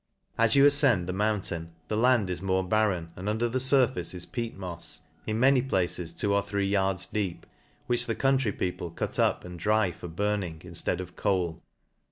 As you afcend the moun tain, the land is more barren, and under the furface is peat mofs, in many places two or three yards deep, which the country people cut up, and dry for burn ing, inftead of coal.